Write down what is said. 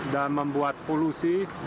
dan membuat polusi